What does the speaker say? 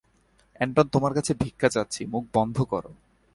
এন্টন তোমার কাছে ভিক্ষা চাচ্ছি, মুখ বন্ধ করো।